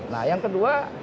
nah yang kedua